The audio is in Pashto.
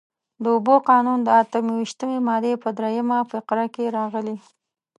د اوبو قانون د اته ویشتمې مادې په درېیمه فقره کې راغلي.